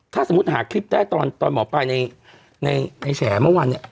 ถ้าสมมุติหาคลิปได้ตอนหมอปลายในแฉเมื่อวานเนี่ย